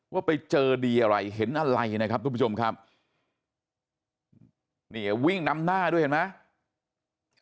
ว่าไปเจอดีอะไรเห็นอะไรนะครับทุกผู้ชมครับนี่วิ่งนำหน้าด้วยเห็นไหม